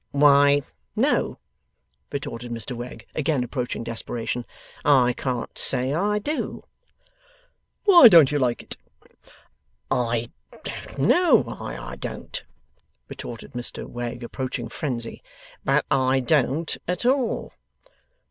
'Why, no,' retorted Mr Wegg, again approaching desperation; 'I can't say I do.' 'Why don't you like it?' 'I don't know why I don't,' retorted Mr Wegg, approaching frenzy, 'but I don't at all.